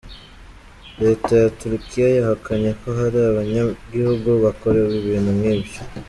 Reta ya Turkia yahakanye ko hari abanyagihugu bakorewe ibintu nk’ivyo.